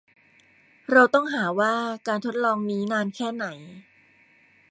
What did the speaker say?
เราต้องหาว่าการทดลองนี้นานแค่ไหน